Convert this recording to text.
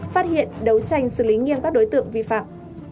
phát hiện đấu tranh xử lý nghiêm các đối tượng vi phạm